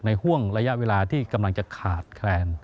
ห่วงระยะเวลาที่กำลังจะขาดแคลน